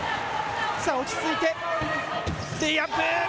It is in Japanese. さあ落ち着いて、レイアップ。